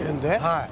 はい。